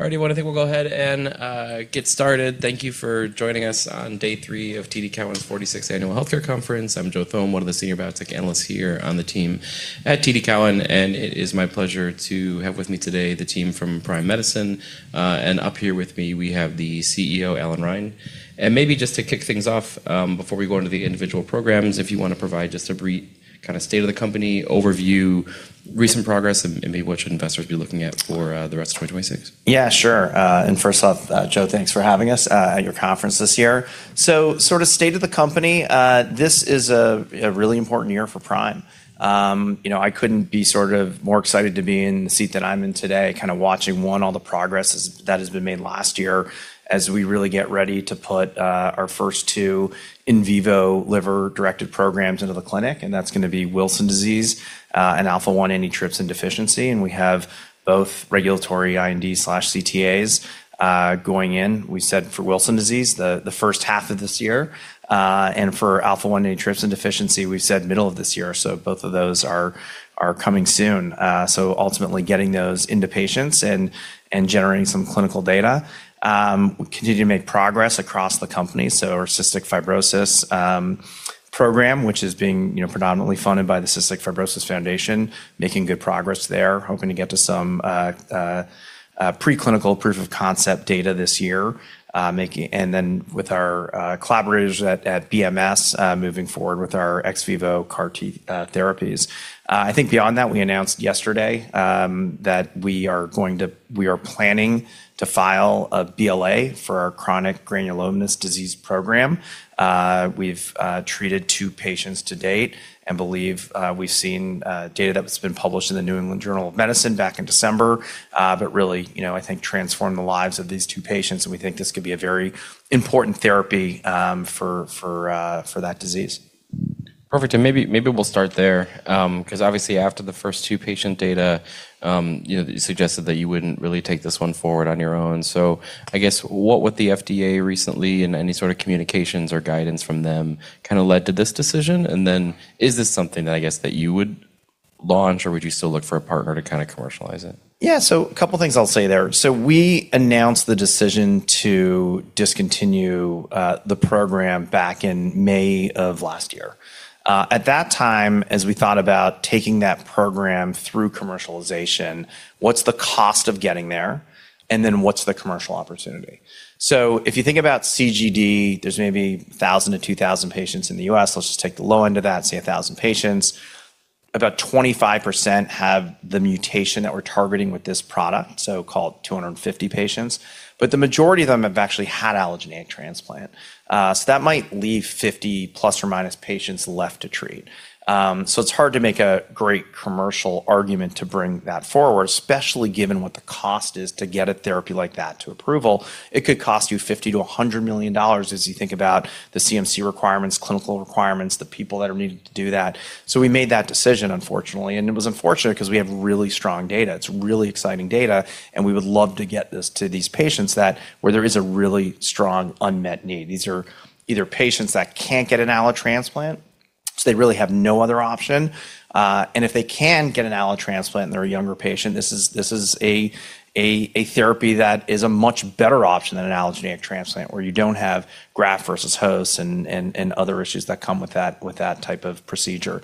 All right, everyone. I think we'll go ahead and get started. Thank you for joining us on day 3 of TD Cowen's 46th Annual Healthcare Conference. I'm Joe Thome, one of the senior biotech analysts here on the team at TD Cowen. It is my pleasure to have with me today the team from Prime Medicine. Up here with me, we have the CEO, Allan Reine. Maybe just to kick things off, before we go into the individual programs, if you wanna provide just a brief kind of state of the company overview, recent progress, and maybe what should investors be looking at for the rest of 2026. Yeah, sure. First off, Joe, thanks for having us, at your conference this year. Sort of state of the company, this is a really important year for Prime. you know, I couldn't be sort of more excited to be in the seat that I'm in today, kinda watching, one, all the progress that has been made last year as we really get ready to put, our first two in vivo liver-directed programs into the clinic, and that's gonna be Wilson disease, and alpha-1 antitrypsin deficiency. We have both regulatory IND/CTAs, going in, we said for Wilson disease, the first half of this year. For alpha-1 antitrypsin deficiency, we said middle of this year. Both of those are coming soon. Ultimately getting those into patients and generating some clinical data. We continue to make progress across the company. Our cystic fibrosis program, which is being, you know, predominantly funded by the Cystic Fibrosis Foundation, making good progress there. Hoping to get to some preclinical proof of concept data this year. With our collaborators at BMS, moving forward with our ex vivo CAR T therapies. I think beyond that, we announced yesterday that we are planning to file a BLA for our Chronic Granulomatous Disease program. We've treated two patients to date and believe we've seen data that has been published in the New England Journal of Medicine back in December, but really, you know, I think transformed the lives of these two patients, and we think this could be a very important therapy for that disease. Perfect. Maybe we'll start there, 'cause obviously after the first two patient data, you know, you suggested that you wouldn't really take this one forward on your own. I guess what with the FDA recently and any sort of communications or guidance from them kinda led to this decision? Is this something that I guess that you would launch, or would you still look for a partner to kinda commercialize it? A couple things I'll say there. We announced the decision to discontinue the program back in May of last year. At that time, as we thought about taking that program through commercialization, what's the cost of getting there, and then what's the commercial opportunity? If you think about CGD, there's maybe 1,000-2,000 patients in the U.S. Let's just take the low end of that, say 1,000 patients. About 25% have the mutation that we're targeting with this product, call it 250 patients. The majority of them have actually had allogeneic transplant. That might leave 50 ± patients left to treat. It's hard to make a great commercial argument to bring that forward, especially given what the cost is to get a therapy like that to approval. It could cost you $50 million-$100 million as you think about the CMC requirements, clinical requirements, the people that are needed to do that. We made that decision, unfortunately, and it was unfortunate 'cause we have really strong data. It's really exciting data, and we would love to get this to these patients that where there is a really strong unmet need. These are either patients that can't get an allo transplant, so they really have no other option, and if they can get an allo transplant and they're a younger patient, this is a therapy that is a much better option than an allogeneic transplant, where you don't have graft versus host and other issues that come with that, with that type of procedure.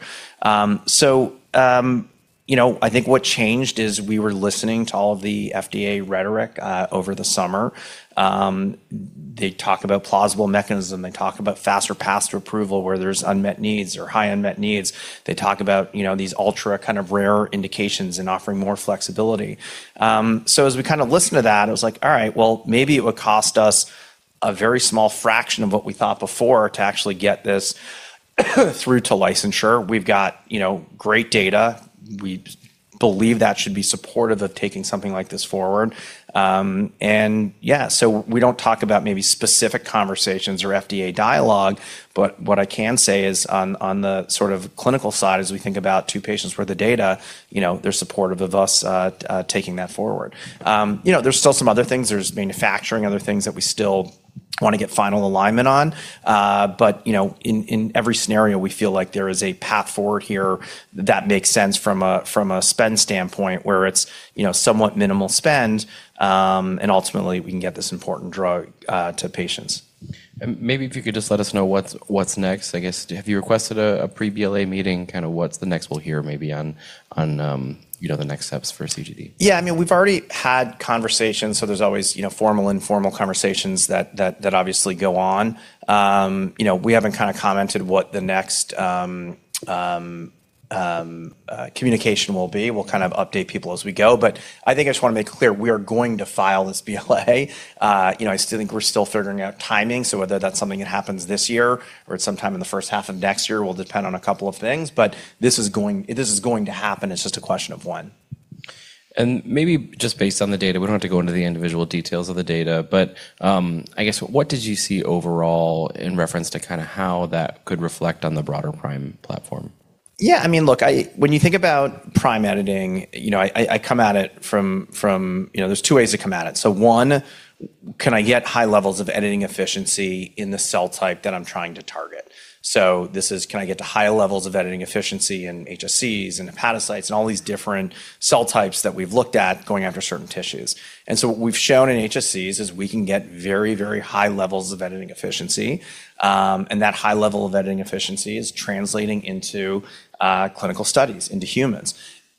You know, I think what changed is we were listening to all of the FDA rhetoric over the summer. They talk about plausible mechanism. They talk about faster path to approval where there's unmet needs or high unmet needs. They talk about, you know, these ultra kind of rare indications and offering more flexibility. As we kind of listened to that, it was like, all right, well, maybe it would cost us a very small fraction of what we thought before to actually get this through to licensure. We've got, you know, great data. We believe that should be supportive of taking something like this forward. Yeah, so we don't talk about maybe specific conversations or FDA dialogue, but what I can say is on the sort of clinical side, as we think about 2 patients worth of data, you know, they're supportive of us taking that forward. You know, there's still some other things. There's manufacturing, other things that we still wanna get final alignment on, but, you know, in every scenario, we feel like there is a path forward here that makes sense from a, from a spend standpoint, where it's, you know, somewhat minimal spend, and ultimately we can get this important drug to patients. Maybe if you could just let us know what's next? I guess, have you requested a pre-BLA meeting? Kinda what's the next we'll hear maybe on, you know, the next steps for CGD? Yeah. I mean, we've already had conversations, so there's always, you know, formal, informal conversations that obviously go on. You know, we haven't kinda commented what the next communication will be. We'll kind of update people as we go. I think I just wanna make clear, we are going to file this BLA. You know, I still think we're still figuring out timing, so whether that's something that happens this year or at some time in the first half of next year will depend on a couple of things, but this is going to happen. It's just a question of when. Maybe just based on the data, we don't have to go into the individual details of the data, but I guess what did you see overall in reference to kind of how that could reflect on the broader Prime platform? I mean, look, when you think about Prime Editing, you know, I come at it from. You know, there's two ways to come at it. One, can I get high levels of editing efficiency in the cell type that I'm trying to target? This is, can I get to high levels of editing efficiency in HSCs and hepatocytes and all these different cell types that we've looked at going after certain tissues. What we've shown in HSCs is we can get very high levels of editing efficiency, and that high level of editing efficiency is translating into clinical studies into humans.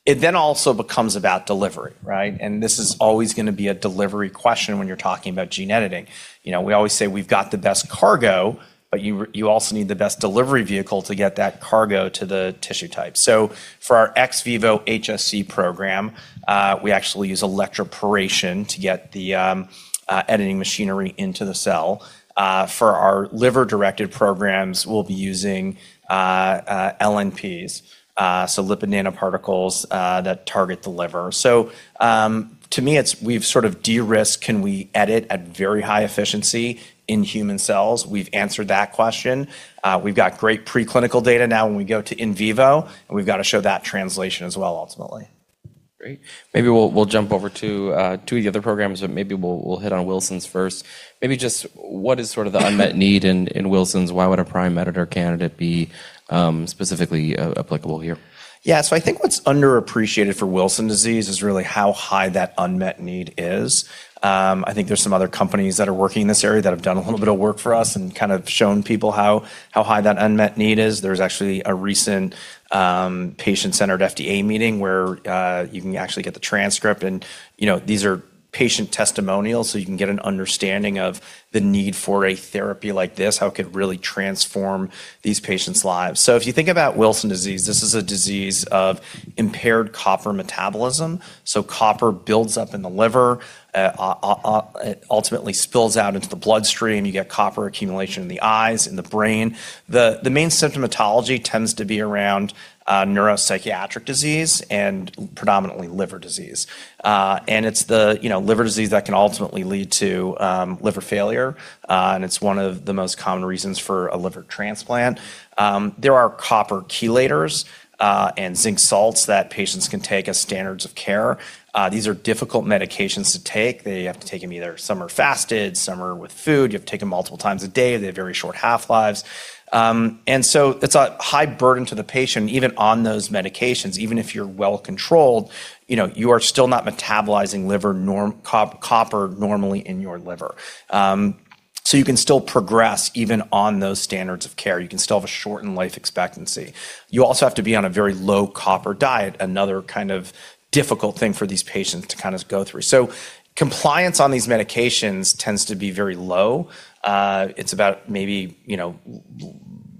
It also becomes about delivery, right? This is always gonna be a delivery question when you're talking about gene editing. You know, we always say we've got the best cargo, you also need the best delivery vehicle to get that cargo to the tissue type. For our ex vivo HSC program, we actually use electroporation to get the editing machinery into the cell. For our liver-directed programs, we'll be using LNPs, so lipid nanoparticles, that target the liver. To me, it's we've sort of de-risked can we edit at very high efficiency in human cells. We've answered that question. We've got great preclinical data now when we go to in vivo, we've got to show that translation as well ultimately. Great. Maybe we'll jump over to the other programs, maybe we'll hit on Wilson's first. Maybe just what is sort of the unmet need in Wilson's? Why would a Prime editor candidate be specifically applicable here? Yeah. I think what's underappreciated for Wilson disease is really how high that unmet need is. I think there's some other companies that are working in this area that have done a little bit of work for us and kind of shown people how high that unmet need is. There's actually a recent patient-centered FDA meeting where you can actually get the transcript, and, you know, these are patient testimonials, so you can get an understanding of the need for a therapy like this, how it could really transform these patients' lives. If you think about Wilson disease, this is a disease of impaired copper metabolism, so copper builds up in the liver. It ultimately spills out into the bloodstream. You get copper accumulation in the eyes, in the brain. The main symptomatology tends to be around neuropsychiatric disease and predominantly liver disease. It's the, you know, liver disease that can ultimately lead to liver failure and it's one of the most common reasons for a liver transplant. There are copper chelators and zinc salts that patients can take as standards of care. These are difficult medications to take. They have to take them either some are fasted, some are with food. You have to take them multiple times a day. They have very short half-lives. So it's a high burden to the patient, even on those medications. Even if you're well controlled, you know, you are still not metabolizing copper normally in your liver. You can still progress even on those standards of care. You can still have a shortened life expectancy. You also have to be on a very low copper diet, another kind of difficult thing for these patients to kind of go through. Compliance on these medications tends to be very low. It's about maybe, you know,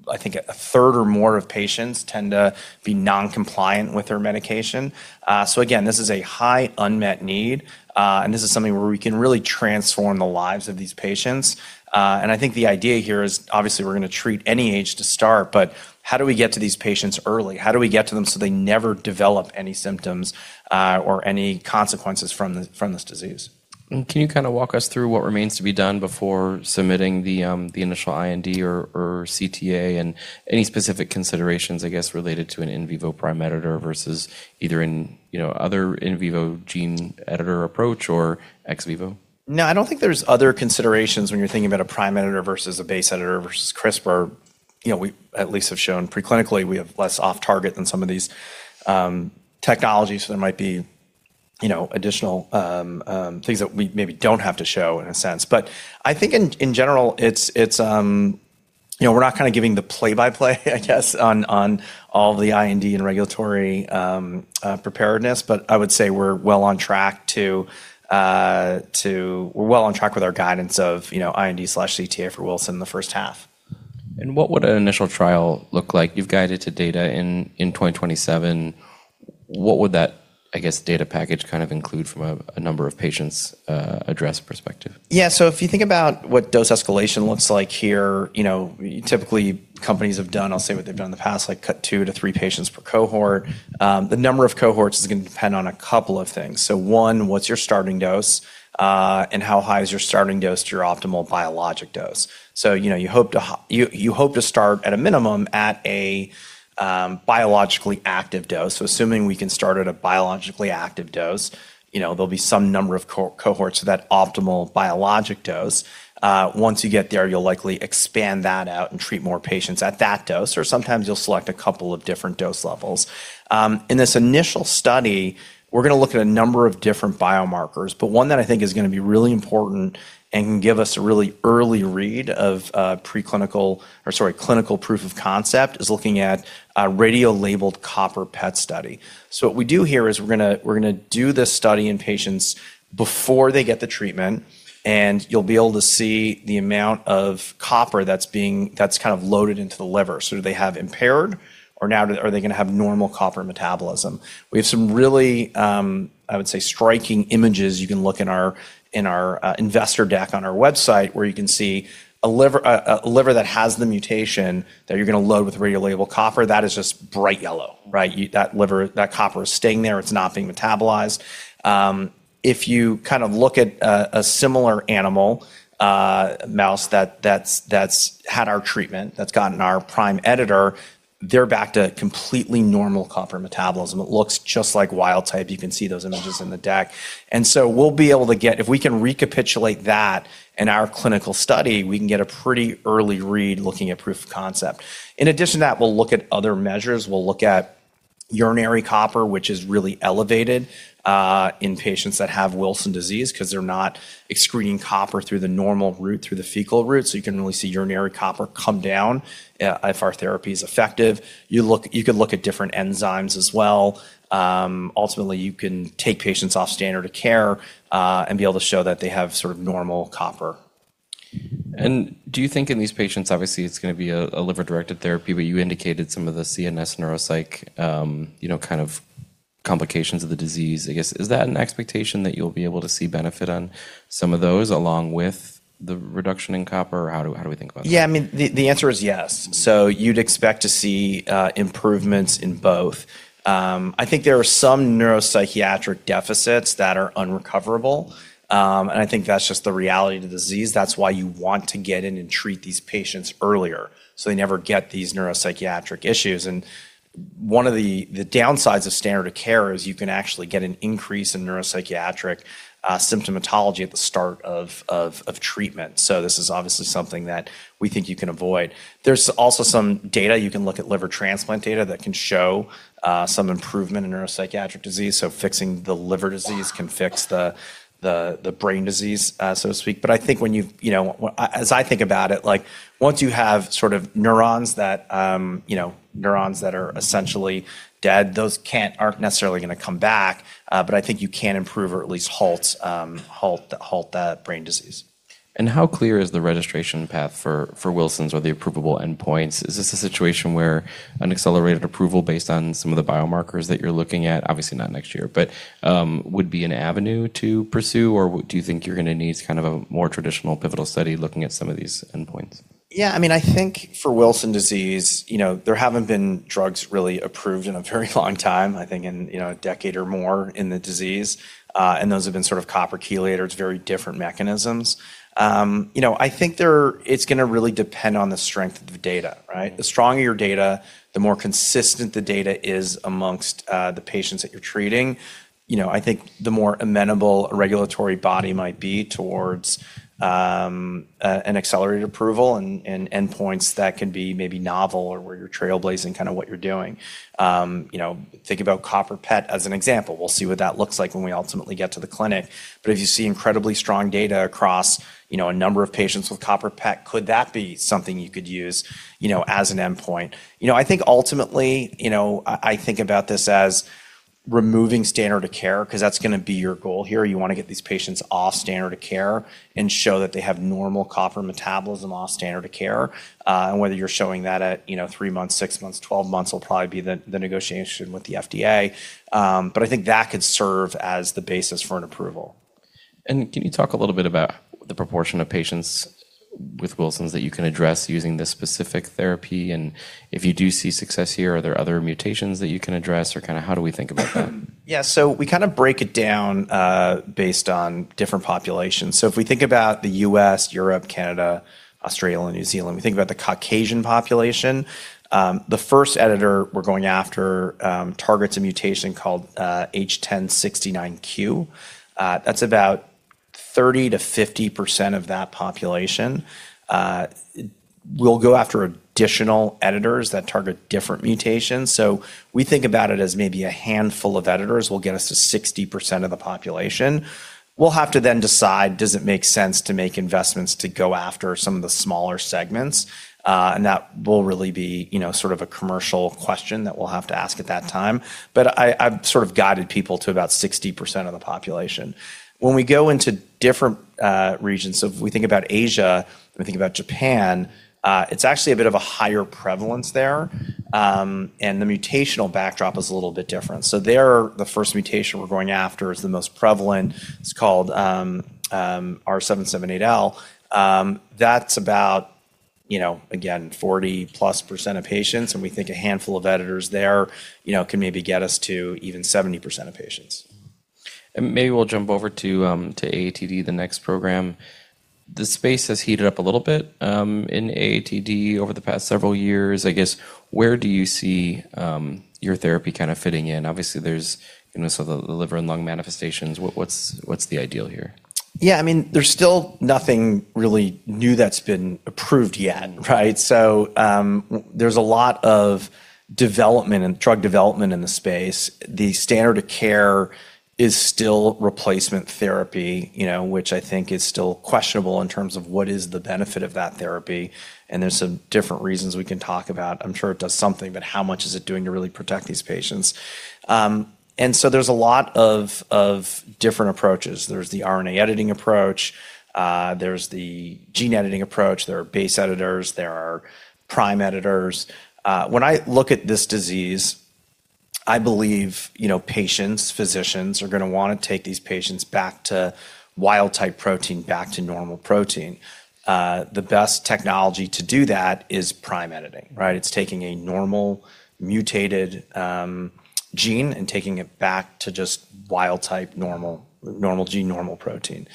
I think a third or more of patients tend to be non-compliant with their medication. Again, this is a high unmet need, and this is something where we can really transform the lives of these patients. I think the idea here is obviously we're gonna treat any age to start, but how do we get to these patients early? How do we get to them so they never develop any symptoms, or any consequences from this disease? Can you kind of walk us through what remains to be done before submitting the initial IND or CTA and any specific considerations, I guess, related to an in vivo Prime Editor versus either in, you know, other in vivo gene editor approach or ex vivo? No, I don't think there's other considerations when you're thinking about a prime editor versus a base editor versus CRISPR. You know, we at least have shown preclinically we have less off target than some of these technologies, so there might be, you know, additional things that we maybe don't have to show in a sense. I think in general, it's, you know, we're not kinda giving the play-by-play, I guess, on all the IND and regulatory preparedness, but I would say we're well on track with our guidance of, you know, IND/CTA for Wilson in the first half. What would an initial trial look like? You've guided to data in 2027. What would that, I guess, data package kind of include from a number of patients' address perspective? Yeah. If you think about what dose escalation looks like here, you know, typically companies have done, I'll say what they've done in the past, like cut two to three patients per cohort. The number of cohorts is gonna depend on a couple of things. One, what's your starting dose, and how high is your starting dose to your optimal biologic dose? You know, you hope to start at a minimum at a biologically active dose. Assuming we can start at a biologically active dose, you know, there'll be some number of cohorts to that optimal biologic dose. Once you get there, you'll likely expand that out and treat more patients at that dose, or sometimes you'll select a couple of different dose levels. In this initial study, we're gonna look at a number of different biomarkers, but one that I think is gonna be really important and can give us a really early read of preclinical, or sorry, clinical proof of concept, is looking at a radiolabeled copper PET study. What we do here is we're gonna, we're gonna do this study in patients before they get the treatment, and you'll be able to see the amount of copper that's kind of loaded into the liver. Do they have impaired or now are they gonna have normal copper metabolism? We have some really, I would say, striking images. You can look in our investor deck on our website where you can see a liver that has the mutation that you're gonna load with radiolabeled copper that is just bright yellow, right? That liver, that copper is staying there, it's not being metabolized. If you kind of look at a similar animal, mouse that's had our treatment, that's gotten our Prime Editor, they're back to completely normal copper metabolism. It looks just like wild type. You can see those images in the deck. We'll be able to get if we can recapitulate that in our clinical study, we can get a pretty early read looking at proof of concept. In addition to that, we'll look at other measures. We'll look at urinary copper, which is really elevated in patients that have Wilson disease 'cause they're not excreting copper through the normal route, through the fecal route, you can really see urinary copper come down if our therapy is effective. You could look at different enzymes as well. Ultimately, you can take patients off standard of care, be able to show that they have sort of normal copper. Do you think in these patients, obviously, it's gonna be a liver-directed therapy, but you indicated some of the CNS neuropsych, you know, kind of complications of the disease. I guess, is that an expectation that you'll be able to see benefit on some of those along with the reduction in copper? Or how do we think about that? Yeah, I mean, the answer is yes. You'd expect to see improvements in both. I think there are some neuropsychiatric deficits that are unrecoverable. I think that's just the reality of the disease. That's why you want to get in and treat these patients earlier, so they never get these neuropsychiatric issues. One of the downsides of standard of care is you can actually get an increase in neuropsychiatric symptomatology at the start of treatment. This is obviously something that we think you can avoid. There's also some data, you can look at liver transplant data that can show some improvement in neuropsychiatric disease, so fixing the liver disease can fix the brain disease, so to speak. I think, you know, as I think about it, like, once you have sort of neurons that, you know, neurons that are essentially dead, those aren't necessarily gonna come back, but I think you can improve or at least halt the brain disease. How clear is the registration path for Wilson's or the approvable endpoints? Is this a situation where an accelerated approval based on some of the biomarkers that you're looking at, obviously not next year, but would be an avenue to pursue, or do you think you're gonna need kind of a more traditional pivotal study looking at some of these endpoints? Yeah, I mean, I think for Wilson disease, you know, there haven't been drugs really approved in a very long time, I think in, you know, a decade or more in the disease, and those have been sort of copper chelators, very different mechanisms. You know, I think it's gonna really depend on the strength of the data, right? The stronger your data, the more consistent the data is amongst the patients that you're treating, you know, I think the more amenable a regulatory body might be towards an accelerated approval and endpoints that can be maybe novel or where you're trailblazing kinda what you're doing. You know, think about copper PET as an example. We'll see what that looks like when we ultimately get to the clinic. If you see incredibly strong data across, you know, a number of patients with copper PET, could that be something you could use, you know, as an endpoint? You know, I think ultimately, you know, I think about this as removing standard of care 'cause that's gonna be your goal here. You wanna get these patients off standard of care and show that they have normal copper metabolism off standard of care. Whether you're showing that at, you know, 3 months, 6 months, 12 months will probably be the negotiation with the FDA. I think that could serve as the basis for an approval. Can you talk a little bit about the proportion of patients with Wilson's that you can address using this specific therapy? If you do see success here, are there other mutations that you can address or kind of how do we think about that? Yeah. We kinda break it down based on different populations. If we think about the US, Europe, Canada, Australia, and New Zealand, we think about the Caucasian population, the first editor we're going after targets a mutation called H1069Q. That's about 30%-50% of that population. We'll go after additional editors that target different mutations. We think about it as maybe a handful of editors will get us to 60% of the population. We'll have to then decide, does it make sense to make investments to go after some of the smaller segments? That will really be, you know, sort of a commercial question that we'll have to ask at that time. I've sort of guided people to about 60% of the population. When we go into different regions, so if we think about Asia and we think about Japan, it's actually a bit of a higher prevalence there, and the mutational backdrop is a little bit different. There, the first mutation we're going after is the most prevalent. It's called R778L. That's about, you know, again, 40+% of patients, and we think a handful of editors there, you know, can maybe get us to even 70% of patients. Maybe we'll jump over to AATD, the next program. The space has heated up a little bit in AATD over the past several years. I guess, where do you see your therapy kind of fitting in? Obviously, there's, you know, so the liver and lung manifestations. What's the ideal here? Yeah, I mean, there's still nothing really new that's been approved yet, right? There's a lot of development and drug development in the space. The standard of care is still replacement therapy, you know, which I think is still questionable in terms of what is the benefit of that therapy, and there's some different reasons we can talk about. I'm sure it does something, but how much is it doing to really protect these patients? There's a lot of different approaches. There's the RNA editing approach. There's the gene editing approach. There are base editors. There are prime editors. When I look at this disease I believe, you know, patients, physicians are going to want to take these patients back to wild type protein, back to normal protein. The best technology to do that is Prime Editing, right? It's taking a normal mutated gene and taking it back to just wild type normal gene, normal protein.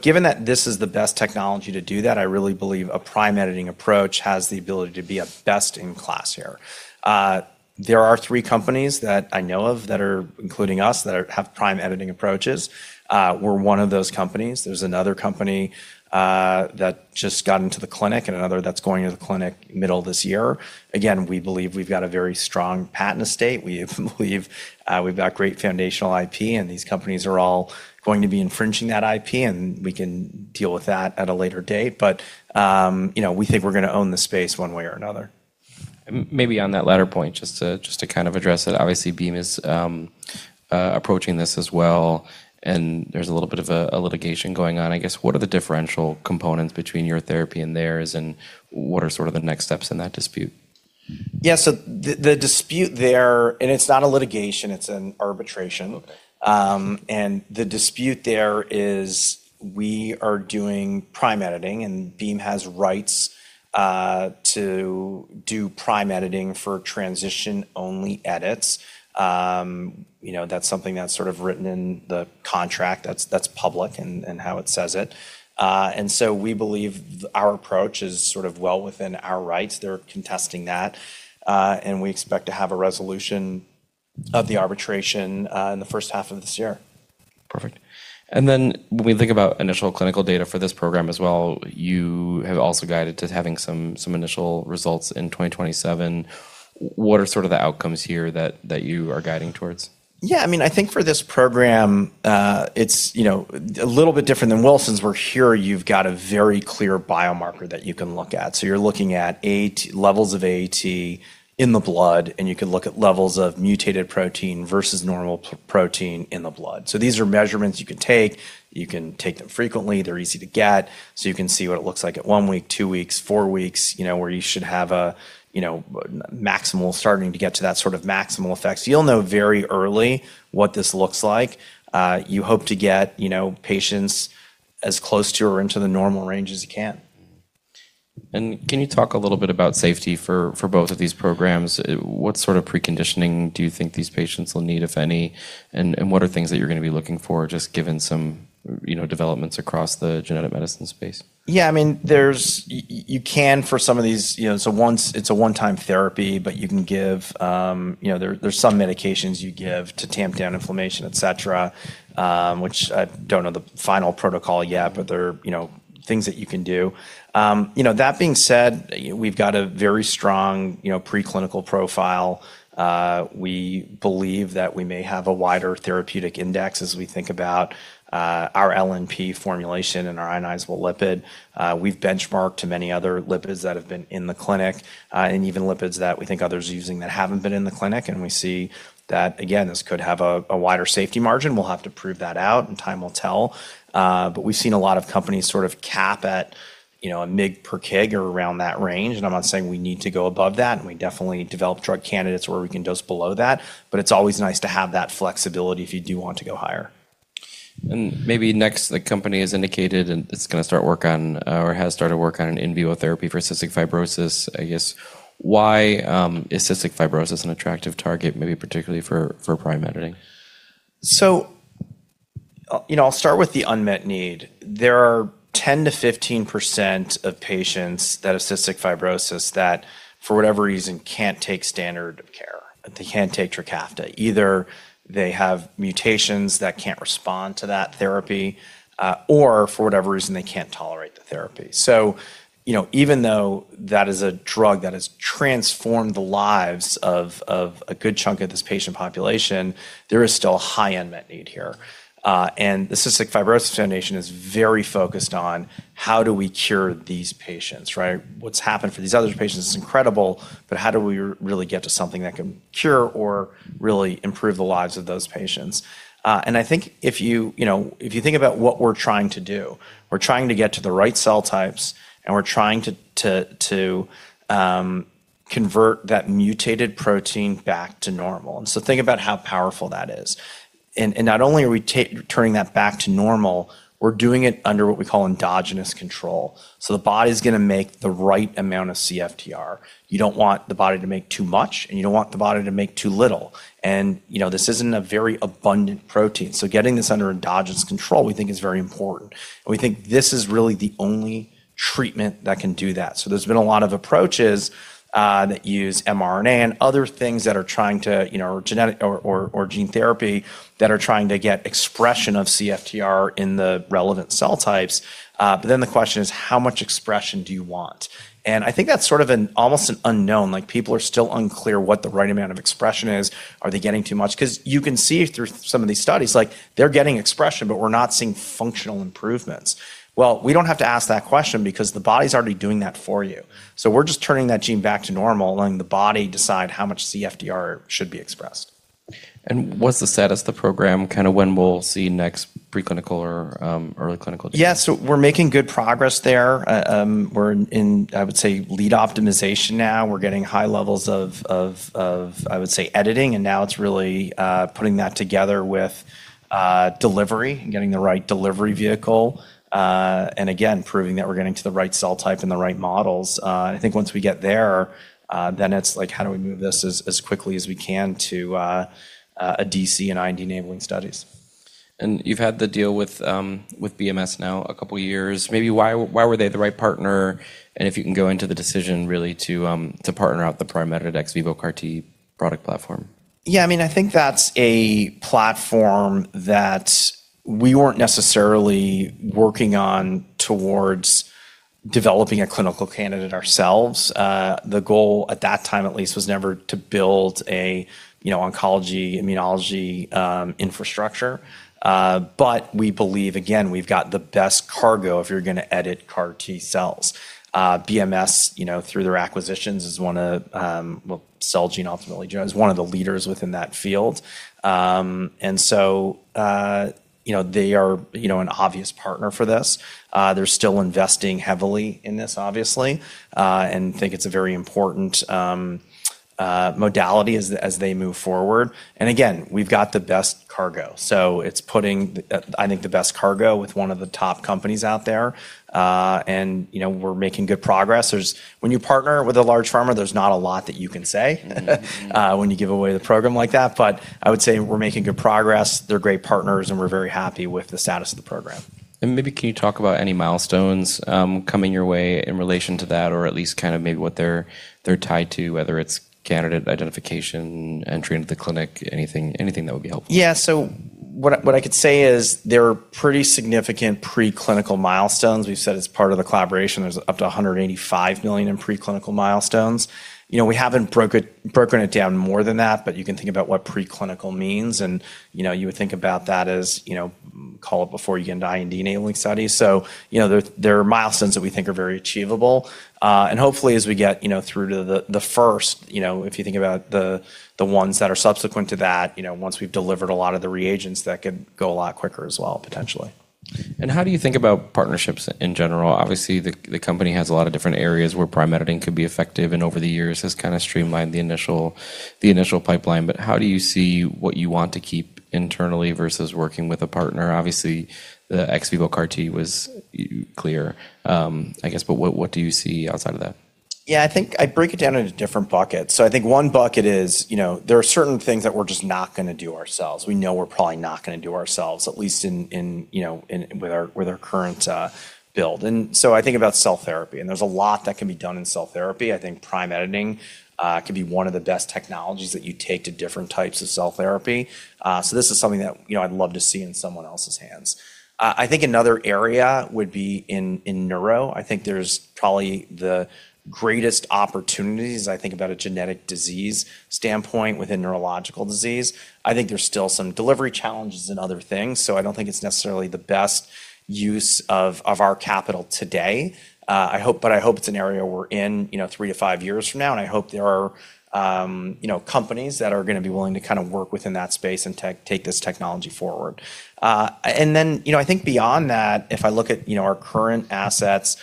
Given that this is the best technology to do that, I really believe a Prime Editing approach has the ability to be a best in class here. There are three companies that I know of that are including us that have Prime Editing approaches. We're one of those companies. There's another company that just got into the clinic and another that's going to the clinic middle of this year. Again, we believe we've got a very strong patent estate. we believe we've got great foundational IP, and these companies are all going to be infringing that IP, and we can deal with that at a later date. You know, we think we're going to own the space one way or another. Maybe on that latter point, just to kind of address it, obviously Beam is approaching this as well. There's a little bit of a litigation going on. I guess, what are the differential components between your therapy and theirs? What are sort of the next steps in that dispute? The dispute there. It's not a litigation, it's an arbitration. The dispute there is we are doing Prime Editing, and Beam has rights to do Prime Editing for transition-only edits. You know, that's something that's sort of written in the contract that's public and how it says it. We believe our approach is sort of well within our rights. They're contesting that. We expect to have a resolution of the arbitration in the first half of this year. Perfect. When we think about initial clinical data for this program as well, you have also guided to having some initial results in 2027. What are sort of the outcomes here that you are guiding towards? Yeah. I mean, I think for this program, it's, you know, a little bit different than Wilson disease, where here you've got a very clear biomarker that you can look at. You're looking at levels of AAT in the blood, and you can look at levels of mutated protein versus normal protein in the blood. These are measurements you can take. You can take them frequently. They're easy to get. You can see what it looks like at one week, two weeks, four weeks, you know, where you should have a, you know, maximal, starting to get to that sort of maximal effect. You'll know very early what this looks like. You hope to get, you know, patients as close to or into the normal range as you can. Can you talk a little bit about safety for both of these programs? What sort of preconditioning do you think these patients will need, if any? What are things that you're gonna be looking for, just given some, you know, developments across the genetic medicine space? Yeah. I mean, you can for some of these. You know, so once it's a one-time therapy, but you can give, you know, there's some medications you give to tamp down inflammation, et cetera, which I don't know the final protocol yet, but there are, you know, things that you can do. You know, that being said, we've got a very strong, you know, preclinical profile. We believe that we may have a wider therapeutic index as we think about our LNP formulation and our ionizable lipid. We've benchmarked many other lipids that have been in the clinic, and even lipids that we think others are using that haven't been in the clinic. We see that, again, this could have a wider safety margin. We'll have to prove that out, and time will tell. We've seen a lot of companies sort of cap at, you know, a mg/kg or around that range. I'm not saying we need to go above that, and we definitely develop drug candidates where we can dose below that, but it's always nice to have that flexibility if you do want to go higher. Maybe next, the company has indicated and it's gonna start work on or has started work on an in vivo therapy for cystic fibrosis. I guess, why is cystic fibrosis an attractive target, maybe particularly for Prime Editing? You know, I'll start with the unmet need. There are 10%-15% of patients that have cystic fibrosis that, for whatever reason, can't take standard of care. They can't take TRIKAFTA. Either they have mutations that can't respond to that therapy, or for whatever reason, they can't tolerate the therapy. You know, even though that is a drug that has transformed the lives of a good chunk of this patient population, there is still high unmet need here. And the Cystic Fibrosis Foundation is very focused on how do we cure these patients, right? What's happened for these other patients is incredible, but how do we really get to something that can cure or really improve the lives of those patients? I think if you know, if you think about what we're trying to do, we're trying to get to the right cell types, and we're trying to convert that mutated protein back to normal. Think about how powerful that is. Not only are we turning that back to normal, we're doing it under what we call endogenous control. The body's gonna make the right amount of CFTR. You don't want the body to make too much, and you don't want the body to make too little. You know, this isn't a very abundant protein, so getting this under endogenous control, we think is very important. We think this is really the only treatment that can do that. There's been a lot of approaches that use mRNA and other things that are trying to, you know, or genetic or gene therapy that are trying to get expression of CFTR in the relevant cell types. The question is, how much expression do you want? I think that's sort of an almost an unknown. Like, people are still unclear what the right amount of expression is. Are they getting too much? 'Cause you can see through some of these studies, like they're getting expression, but we're not seeing functional improvements. We don't have to ask that question because the body's already doing that for you. We're just turning that gene back to normal, letting the body decide how much CFTR should be expressed. what's the status of the program, kind of when we'll see next preclinical or, early clinical data? Yeah. We're making good progress there. We're in, I would say, lead optimization now. We're getting high levels of editing, and now it's really putting that together with delivery and getting the right delivery vehicle, and again, proving that we're getting to the right cell type and the right models. I think once we get there, then it's like, how do we move this as quickly as we can to a DC and IND-enabling studies? You've had the deal with BMS now a couple years. Maybe why were they the right partner? If you can go into the decision really to partner out the Prime Edited ex vivo CAR T product platform. Yeah, I mean, I think that's a platform that we weren't necessarily working on towards developing a clinical candidate ourselves. The goal at that time at least was never to build a, you know, oncology, immunology, infrastructure. But we believe, again, we've got the best cargo if you're gonna edit CAR T cells. BMS, you know, through their acquisitions is one of, well, Celgene ultimately joins one of the leaders within that field. They are, you know, an obvious partner for this. They're still investing heavily in this obviously, and think it's a very important modality as they move forward. Again, we've got the best cargo, so it's putting I think the best cargo with one of the top companies out there. You know, we're making good progress. When you partner with a large pharma, there's not a lot that you can say. Mm-hmm... when you give away the program like that. I would say we're making good progress, they're great partners, and we're very happy with the status of the program. Maybe can you talk about any milestones coming your way in relation to that, or at least kind of maybe what they're tied to, whether it's candidate identification, entry into the clinic, anything that would be helpful? Yeah. What I could say is there are pretty significant preclinical milestones. We've said it's part of the collaboration. There's up to $185 million in preclinical milestones. You know, we haven't broken it down more than that, you can think about what preclinical means and, you know, you would think about that as, you know, call it before IND-enabling studies. You know, there are milestones that we think are very achievable. Hopefully as we get, you know, through to the first, you know, if you think about the ones that are subsequent to that, you know, once we've delivered a lot of the reagents, that could go a lot quicker as well potentially. How do you think about partnerships in general? Obviously, the company has a lot of different areas where Prime Editing could be effective, and over the years has kind of streamlined the initial pipeline. How do you see what you want to keep internally versus working with a partner? Obviously, the ex vivo CAR T was clear, I guess. What do you see outside of that? Yeah, I think I break it down into different buckets. I think one bucket is, you know, there are certain things that we're just not gonna do ourselves. We know we're probably not gonna do ourselves, at least with our current build. I think about cell therapy, and there's a lot that can be done in cell therapy. I think Prime Editing could be one of the best technologies that you take to different types of cell therapy. This is something that, you know, I'd love to see in someone else's hands. I think another area would be in neuro. I think there's probably the greatest opportunities, I think, about a genetic disease standpoint within neurological disease. I think there's still some delivery challenges and other things, so I don't think it's necessarily the best use of our capital today. I hope it's an area we're in, you know, 3 to 5 years from now, and I hope there are, you know, companies that are gonna be willing to kind of work within that space and take this technology forward. You know, I think beyond that, if I look at, you know, our current assets,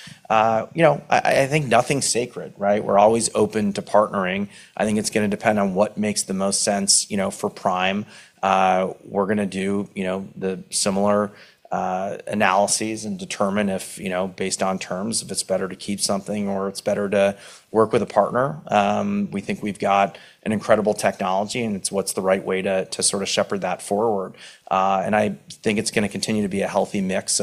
you know, I think nothing's sacred, right? We're always open to partnering. I think it's gonna depend on what makes the most sense, you know, for Prime. We're gonna do, you know, the similar analyses and determine if, you know, based on terms, if it's better to keep something or it's better to work with a partner. We think we've got an incredible technology, and it's what's the right way to sort of shepherd that forward. I think it's gonna continue to be a healthy mix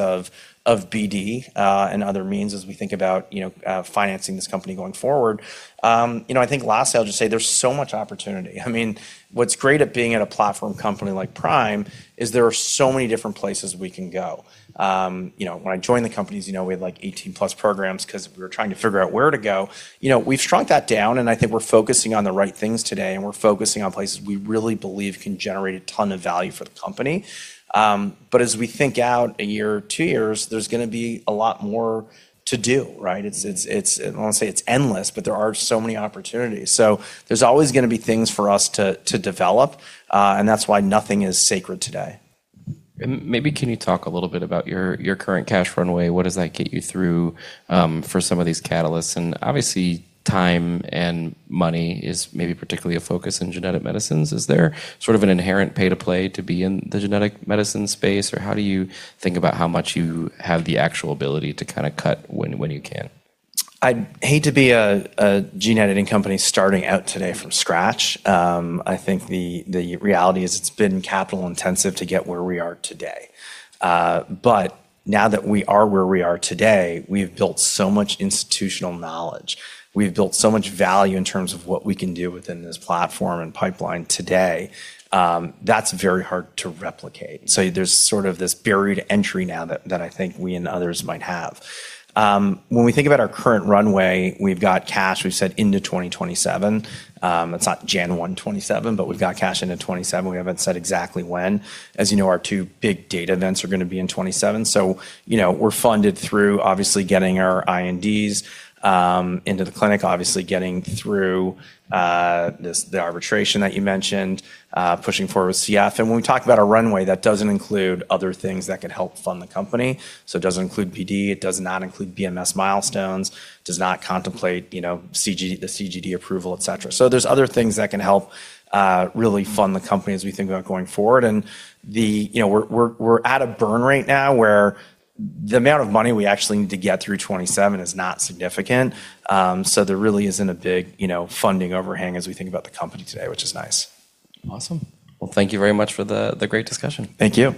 of BD and other means as we think about, you know, financing this company going forward. You know, I think lastly I'll just say there's so much opportunity. I mean, what's great at being at a platform company like Prime is there are so many different places we can go. You know, when I joined the companies, you know, we had like 18 plus programs 'cause we were trying to figure out where to go. You know, we've shrunk that down, and I think we're focusing on the right things today, and we're focusing on places we really believe can generate a ton of value for the company. As we think out a year or 2 years, there's gonna be a lot more to do, right? It's I don't wanna say it's endless, but there are so many opportunities. There's always gonna be things for us to develop, and that's why nothing is sacred today. Maybe can you talk a little bit about your current cash runway? What does that get you through for some of these catalysts? Obviously, time and money is maybe particularly a focus in genetic medicines. Is there sort of an inherent pay to play to be in the genetic medicine space? Or how do you think about how much you have the actual ability to kinda cut when you can? I'd hate to be a gene editing company starting out today from scratch. I think the reality is it's been capital intensive to get where we are today. Now that we are where we are today, we've built so much institutional knowledge. We've built so much value in terms of what we can do within this platform and pipeline today, that's very hard to replicate. There's sort of this buried entry now that I think we and others might have. When we think about our current runway, we've got cash, we've said into 2027. It's not January 1, 2027, we've got cash into 2027. We haven't said exactly when. As you know, our two big data events are gonna be in 2027. You know, we're funded through obviously getting our INDs into the clinic, obviously getting through this, the arbitration that you mentioned, pushing forward with CF. When we talk about our runway, that doesn't include other things that could help fund the company. It doesn't include BD, it does not include BMS milestones, does not contemplate, you know, the CGD approval, et cetera. There's other things that can help really fund the company as we think about going forward. You know, we're at a burn rate now where the amount of money we actually need to get through 2027 is not significant. There really isn't a big, you know, funding overhang as we think about the company today, which is nice. Awesome. Well, thank you very much for the great discussion. Thank you.